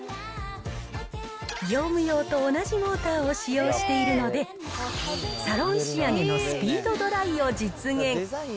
業務用と同じモーターを使用しているので、サロン仕上げのスピードドライを実現。